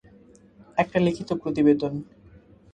একটা লিখিত প্রতিবেদন।